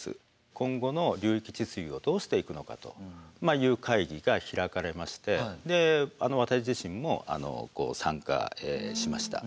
今後の流域治水をどうしていくのかという会議が開かれまして私自身も参加しました。